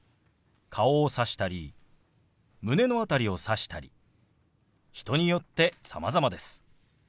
顔をさしたり胸の辺りをさしたり人によってさまざまです。